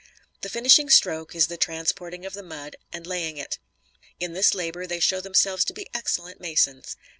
The finishing stroke is the transporting of the mud and laying it. In this labor, they show themselves to be excellent masons.